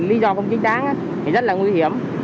lý do không chắc chắn thì rất là nguy hiểm